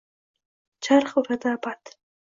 Charx uradi abad